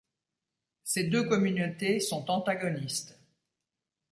Ces deux communautés sont antagonistes.